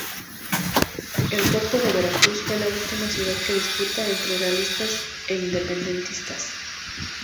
El puerto de Veracruz fue la última ciudad en disputa entre realistas e independentistas.